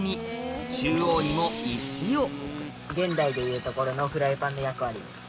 現代でいうところのフライパンの役割。